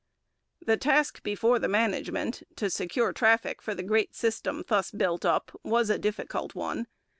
The task before the management to secure traffic for the great system thus built up was a difficult one.